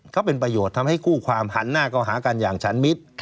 ก็เป็นประโยชน์ทำให้คู่ความหันหน้าก็หากันอย่างฉันมิตร